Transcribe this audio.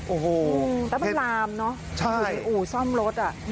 โอ้โหแต่มันรามเนอะคืออู่ซ่อมรถ